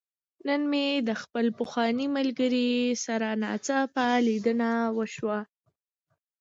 نن مې د خپل پخواني ملګري سره ناڅاپه ليدنه وشوه.